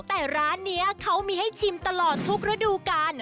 แต่ร้านนี้เขามีให้ชิมตลอดทุกฤดูกาล